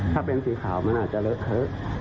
ถ้าเป็นสีขาวมันอาจจะเลอะเทอะ